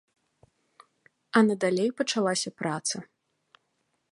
А надалей пачалася праца.